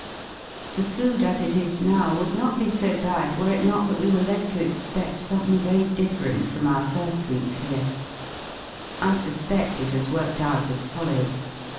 The food as it is now would not be so bad were it not that we were led to expedl something very different from our fir^ weeks here. I suspedl it has worked out as follows.